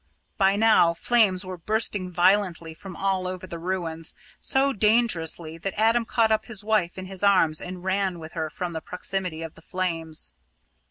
By now, flames were bursting violently from all over the ruins, so dangerously that Adam caught up his wife in his arms, and ran with her from the proximity of the flames.